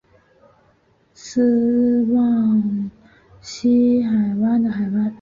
斯旺西海湾的海湾。